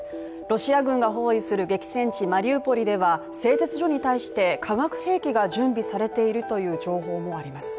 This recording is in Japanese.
ロシア軍が包囲する激戦地マリウポリでは製鉄所に対して化学兵器が準備されているという情報もあります。